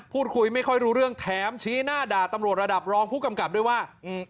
พูดคุยไม่ค่อยรู้เรื่องแถมชี้หน้าด่าตำรวจระดับรองผู้กำกับด้วยว่า